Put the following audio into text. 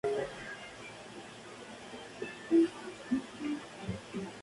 El álbum vendió debajo de las expectativas.